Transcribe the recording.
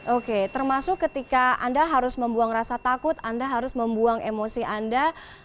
oke termasuk ketika anda harus membuang rasa takut anda harus membuang emosi anda